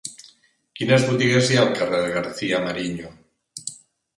Quines botigues hi ha al carrer de García-Mariño?